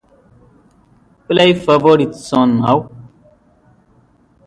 Pronotum with fine dense punctures with fine sparse pubescence.